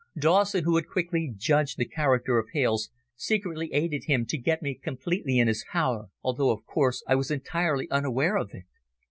Dawson, who had quickly judged the character of Hales, secretly aided him to get me completely in his power, although, of course, I was entirely unaware of it.